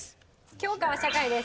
教科は社会です。